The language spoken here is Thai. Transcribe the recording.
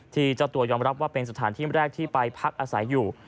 เจ้าตัวยอมรับว่าเป็นสถานที่แรกที่ไปพักอาศัยอยู่